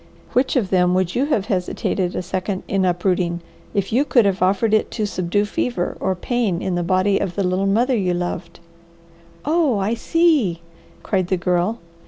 Which of them would you have hesitated a second in uprooting if you could have offered it to subdue fever or pain in the body of the little mother you loved?" "Oh I see!" cried the Girl.